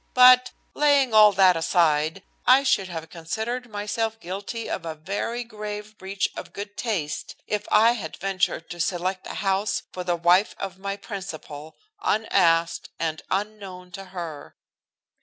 "But, laying all that aside, I should have considered myself guilty of a very grave breach of good taste if I had ventured to select a house for the wife of my principal, unasked and unknown to her."